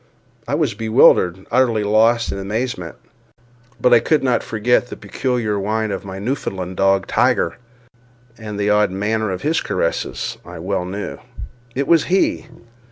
I was bewildered, utterly lost in amazement—but I could not forget the peculiar whine of my Newfoundland dog Tiger, and the odd manner of his caresses I well knew. It was he.